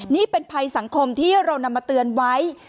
นี่เป็นภัยสังคมที่เรานำมาเตือนไว้